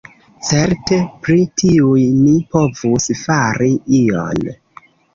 Certe pri tiuj ni povus fari ion.